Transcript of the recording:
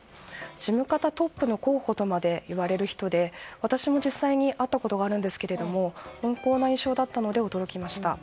事務方トップの候補とまでいわれる人で私も実際に会ったことがありますが温厚な印象だったので驚きました。